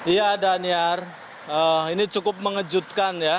iya daniar ini cukup mengejutkan ya